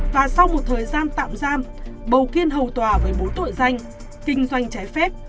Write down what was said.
và sau một thời gian tạm giam bầu kiên hầu tòa với bốn tội danh kinh doanh trái phép